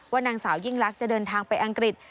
นางสาวยิ่งลักษณ์จะเดินทางไปอังกฤษ